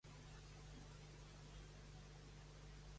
Jo, al lloc d'ell, ho hauria fet així.